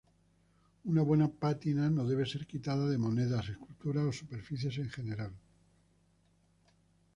Una buena pátina no debe ser quitada de monedas, esculturas o superficies en general.